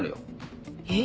えっ？